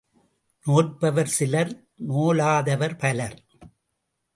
நோற்பவர் சிலர், நோலாதவர் பலர்.